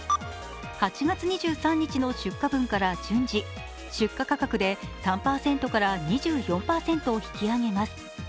８月２３日の出荷分から順次、出荷価格で３％から２４％引き上げます。